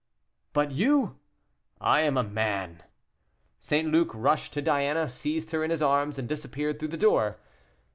"But you?" "I am a man." St. Luc rushed to Diana, seized her in his arms, and disappeared through the door.